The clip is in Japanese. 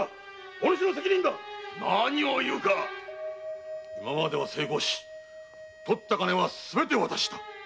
お主の責任だ何を言うか今まで全部成功し奪った金はすべてお渡しした。